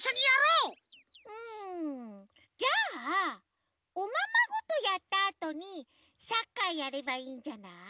うんじゃあおままごとやったあとにサッカーやればいいんじゃない？